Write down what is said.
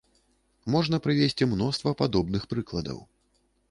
Можна прывесці мноства падобных прыкладаў.